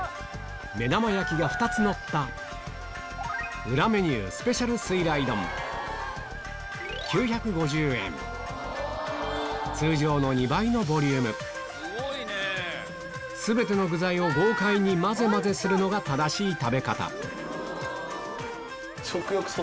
目玉焼きが２つのった裏メニュー通常の２倍のボリューム全ての具材を豪快に混ぜ混ぜするのが正しい食べ方